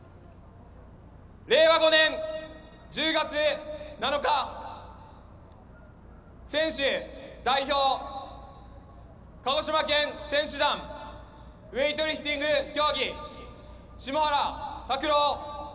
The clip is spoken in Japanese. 令和５年１０月７日選手代表、鹿児島県選手団ウエイトリフティング競技下原卓朗。